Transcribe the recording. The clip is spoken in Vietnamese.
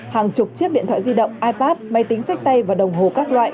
hàng chục chiếc điện thoại di động ipad máy tính sách tay và đồng hồ các loại